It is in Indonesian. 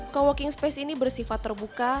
co working space ini bersifat terbuka